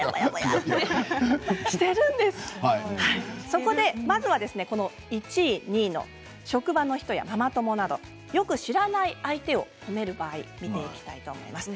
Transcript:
そこで、まずは１位２位の職場の人やママ友などよく知らない相手を褒める場合を見ていきたいと思います。